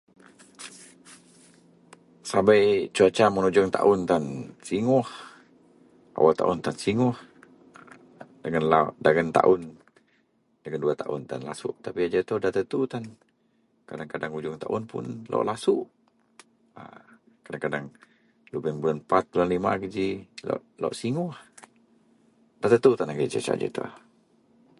Sabei cuaca mun ujuong taun tan singoh, awel taun tan singoh. Dagen lau, dagen taun, dagen duwa taun tan lasuk tapi ajau itou nda tentu tan. Kadeng-kadeng ujuong taun tan lok lasuok. A kadeng-kadeng lubeang bulan 4 bulan 5 geji lok, lok singoh. Nda tentu tan agei cuaca ajau itou.